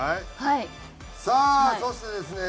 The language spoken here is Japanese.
さあそしてですね